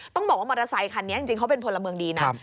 ต้องบอกว่ามอเตอร์ไซคันนี้จริงเขาเป็นพลเมืองดีนะ